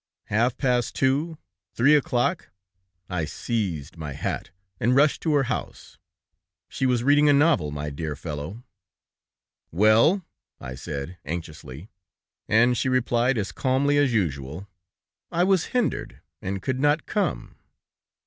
"Half past two, three o'clock! I seized my hat, and rushed to her house. She was reading a novel my dear fellow! 'Well!' I said, anxiously, and she replied as calmly as usual: 'I was hindered, and could not come.'